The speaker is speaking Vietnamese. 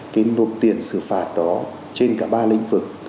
cái nộp tiền xử phạt đó trên cả ba lĩnh vực